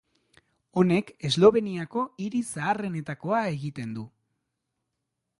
Honek Esloveniako hiri zaharrenetakoa egiten du.